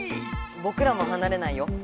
ぼくらもはなれないよ。